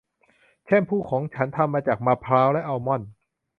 แชมพูของฉันทำมาจากมะพร้าวและอัลมอนด์